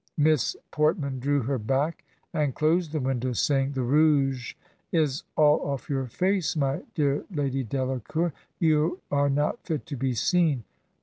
Miss Portman drew her back, and closed the window, saying, ' The rouge is all ojBf your face, my dear Lady Delacour; you are not fit to be seen.'